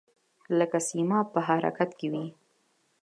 لکه سیماب په حرکت کې وي.